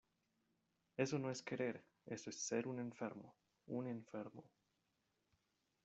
eso no es querer. eso es ser un enfermo . un enfermo .